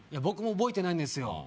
僕も覚えてないんですよ